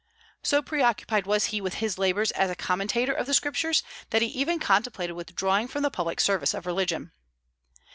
So pre occupied was he with his labors as a commentator of the Scriptures, that he even contemplated withdrawing from the public service of religion.